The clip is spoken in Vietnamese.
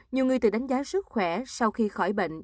nhiều người tự đánh giá sức khỏe sau khi khỏi bệnh